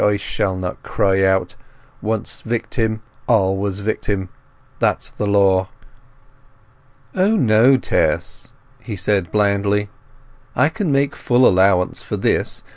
I shall not cry out. Once victim, always victim—that's the law!" "O no, no, Tess," he said blandly. "I can make full allowance for this.